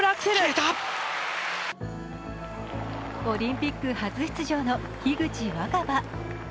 オリンピック初出場の樋口新葉。